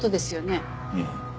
うん。